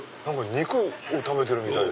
肉を食べてるみたいで。